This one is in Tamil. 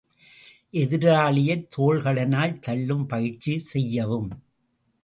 எதிராளியை தோள்களினால் தள்ளும் பயிற்சி செய்யவும்.